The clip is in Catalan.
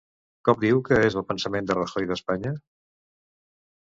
Com diu que és el pensament de Rajoy d'Espanya?